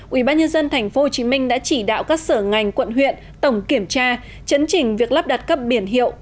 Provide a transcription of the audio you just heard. ubnd tp hcm đã chỉ đạo các sở ngành quận huyện tổng kiểm tra chấn trình việc lắp đặt các biển hiệu